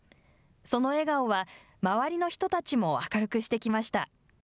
その笑顔は周りの人たちも明るくしてきました。